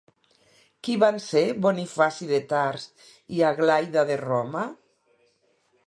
Qui van ser Bonifaci de Tars i Aglaida de Roma?